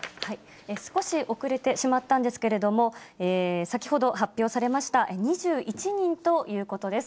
少し遅れてしまったんですけれども、先ほど発表されました、２１人ということです。